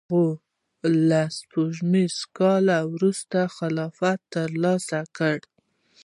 هغوی له سپوږمیز کال وروسته خلافت ترلاسه کړ.